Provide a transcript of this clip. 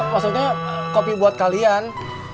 maksudnya kopi buat kalian